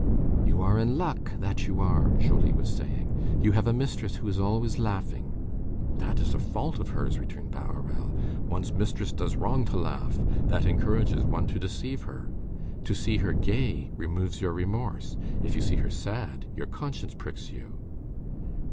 "You are in luck, that you are," Joly was saying. "You have a mistress who is always laughing." "That is a fault of hers," returned Bahorel. "One's mistress does wrong to laugh. That encourages one to deceive her. To see her gay removes your remorse; if you see her sad, your conscience pricks you."